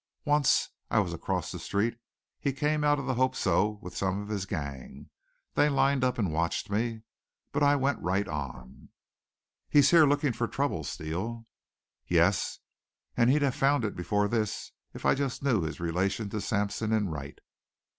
"Once. I was across the street. He came out of the Hope So with some of his gang. They lined up and watched me. But I went right on." "He's here looking for trouble, Steele." "Yes; and he'd have found it before this if I just knew his relation to Sampson and Wright."